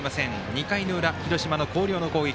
２回の裏、広島の広陵の攻撃。